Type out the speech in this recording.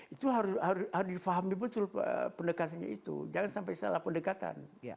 itu harus difahami betul pendekatannya itu jangan sampai salah pendekatan